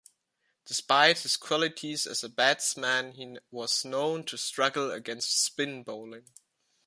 Despite his qualities as a batsman, he was known to struggle against spin bowling.